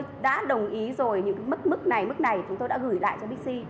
chúng tôi đã đồng ý rồi những cái mức này mức này chúng tôi đã gửi lại cho bixi